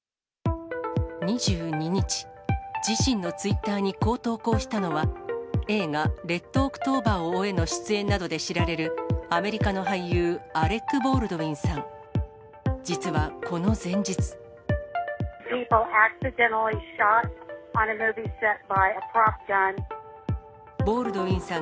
２２日、自身のツイッターにこう投稿したのは、映画、レッドオクトーバーを追えなどの出演などで知られる、アメリカの俳優、アレック・ボールドウィンさん。